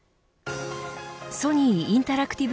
ソニー・インタラクティブ